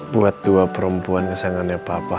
buat dua perempuan kesanggahan apa apa